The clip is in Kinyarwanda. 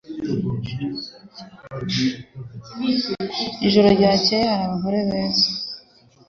Ijoro ryakeye hari abagore beza.